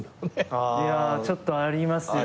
ちょっとありますよね。